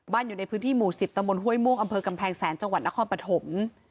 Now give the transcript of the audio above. บ้านอยู่ในพื้นที่หมู่๑๐ตมห้วยม่วงอกำแพงแสนจนครปฐม